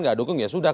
tidak dukung ya sudah